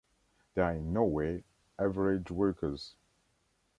They are in no way average workers.